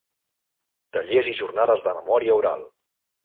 Tallers i Jornades de Memòria Oral.